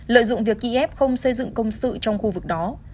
lợi dụng việc ký ép không xây dựng công sự trong khu vực đó